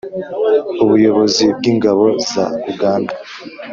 ubuyobozi bw'ingabo za uganda.